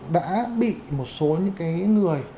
đã bị một số những cái người